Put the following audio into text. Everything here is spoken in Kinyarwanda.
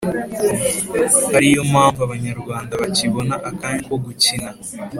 ari yo mpamvu Abanyarwanda bakibona akanya ko gukina